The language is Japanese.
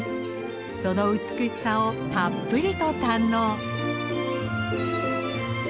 その美しさをたっぷりと堪能。